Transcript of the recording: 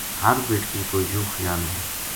ہر بیٹکی کو یوہ خیال وھے